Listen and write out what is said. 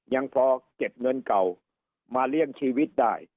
ยังพอเก็บเงินเก่ามาเลี้ยงชีวิตได้